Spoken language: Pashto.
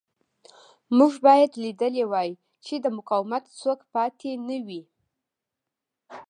موږ باید لیدلی وای چې د مقاومت څوک پاتې نه وي